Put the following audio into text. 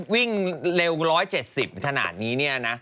วิ่งเร็ว๑๗๐ขนาดนี้เนี่ยนะ